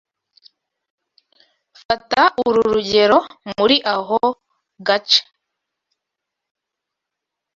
Fata uru rugero muri aho gace